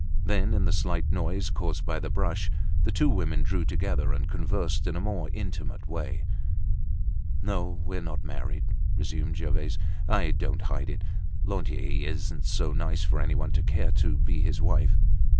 Then, in the slight noise caused by the brush, the two women drew together, and conversed in a more intimate way. "No, we're not married," resumed Gervaise. "I don't hide it. Lantier isn't so nice for any one to care to be his wife.